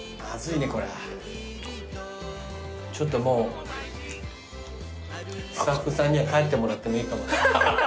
ちょっともうスタッフさんには帰ってもらってもいいかも。